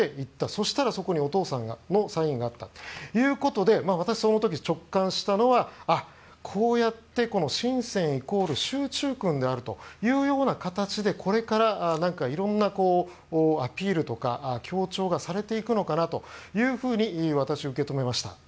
そしたら、そこにお父さんのサインがあったということで私、その時、直感したのはあ、こうやってシンセン、イコールシュウ・チュウクンであるという形でこれからいろんなアピールとか強調がされていくのかなというふうに私、受け止めました。